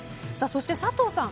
そして、佐藤さん